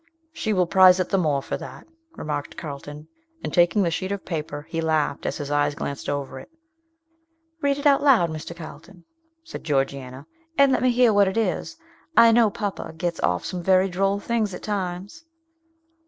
"She will prize it the more for that," remarked Carlton; and taking the sheet of paper, he laughed as his eyes glanced over it. "Read it out, Mr. Carlton," said Georgiana, "and let me hear what it is; I know papa gets off some very droll things at times."